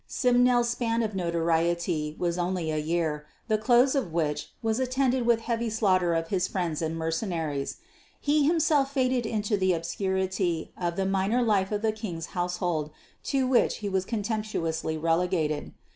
Simnel's span of notoriety was only a year, the close of which was attended with heavy slaughter of his friends and mercenaries. He himself faded into the obscurity of the minor life of the King's household to which he was contemptuously relegated.